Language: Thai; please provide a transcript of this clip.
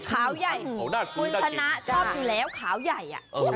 ขาวใหญ่คุณชนะชอบอยู่แล้วขาวใหญ่